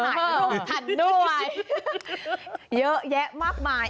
จดทันด้วยเยอะแยะมากมาย